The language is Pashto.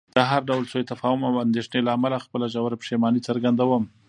د هر ډول سوء تفاهم او اندېښنې له امله خپله ژوره پښیماني څرګندوم.